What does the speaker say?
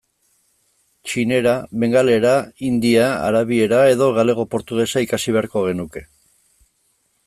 Txinera, bengalera, hindia, arabiera, edo galego-portugesa ikasi beharko genuke.